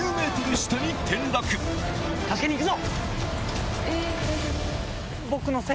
助けに行くぞ！